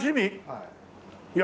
はい。